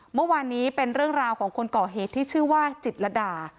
เมื่อวานนี้เป็นเรื่องราวของคนก่อเหตุที่ชื่อว่าจิตรดา